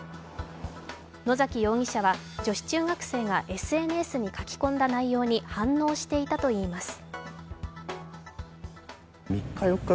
野崎容疑者は、女子中学生がＳＮＳに書き込んだ内容に反応していたといいます。